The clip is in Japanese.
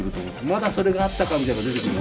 まだそれがあったかみたいなの出てくる。